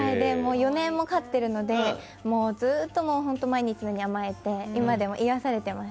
４年も飼っているので毎日のように甘えて今でも癒やされてます。